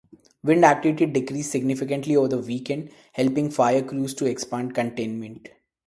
Wind activity decreased significantly over the weekend helping fire crews to expand containment.